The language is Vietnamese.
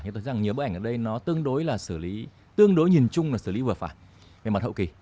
như tôi thấy rằng nhiều bức ảnh ở đây nó tương đối nhìn chung là xử lý vừa phải về mặt hậu kỳ